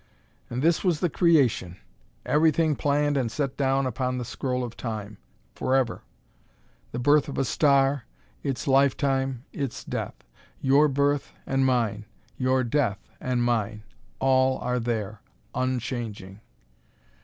And this was the Creation: everything planned and set down upon the scroll of Time forever. The birth of a star, its lifetime, its death; your birth, and mine; your death, and mine all are there. Unchanging.